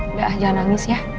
udah jangan nangis ya